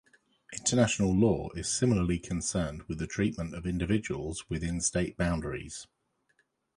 International law is similarly concerned with the treatment of individuals within state boundaries.